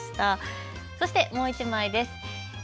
そしてもう１枚です。